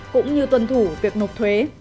cũng như tuân thủ việc nộp thuế